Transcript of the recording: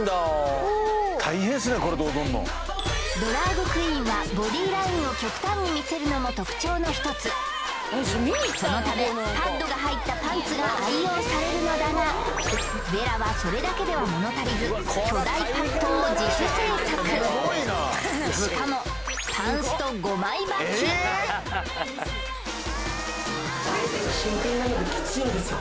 ドラァグクイーンはボディラインを極端に見せるのも特徴の１つそのためパッドが入ったパンツが愛用されるのだがヴェラはそれだけでは物足りず巨大パッドを自主制作しかもんですよ